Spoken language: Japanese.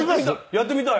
やってみたい。